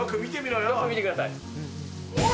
よく見てください。